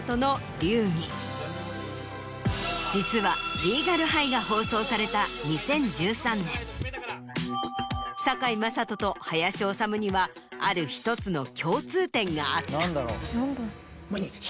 実は『リーガルハイ』が放送された２０１３年堺雅人と林修にはある１つの共通点があった。